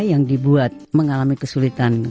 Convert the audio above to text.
yang dibuat mengalami kesulitan